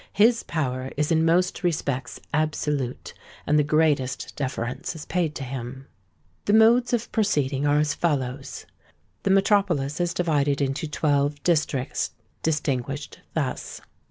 His power is in most respects absolute; and the greatest deference is paid to him. The modes of proceeding are as follow:—The metropolis is divided into twelve districts distinguished thus:—1.